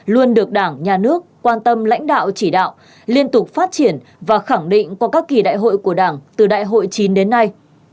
luôn được đảng nhà nước quan tâm lãnh đạo chỉ đạo liên tục phát triển và khẳng định qua các kỳ đại hội của đảng từ đại hội chín đến nay